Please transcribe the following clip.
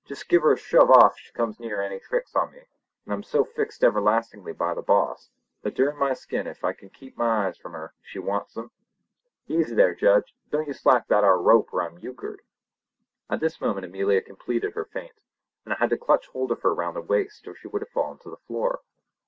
Jest give her a shove off if she comes any of her tricks on me, for I'm so fixed everlastingly by the boss, that durn my skin if I can keep my eyes from her if she wants them! Easy there, Judge! don't you slack that ar rope or I'm euchered!" At this moment Amelia completed her faint, and I had to clutch hold of her round the waist or she would have fallen to the floor.